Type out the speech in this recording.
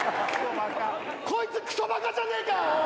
こいつくそバカじゃねえか！